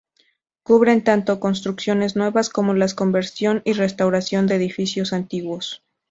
Cubren tanto construcciones nuevas como la conversión y restauración de edificios antiguos.